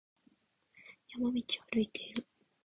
山道を歩いている。